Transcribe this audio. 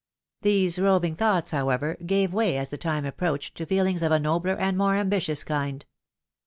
These roving thoughts, however, gave way as the time ap proached to feehngs of a nobler and more ambitious kind.